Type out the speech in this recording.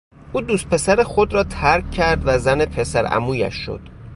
او دوست پسر خود را ترک کرد و زن پسر عمویش شد.